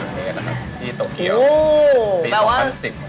ที่โตเกียวก็ปี๒๐๑๐ครับอู๋แปลว่า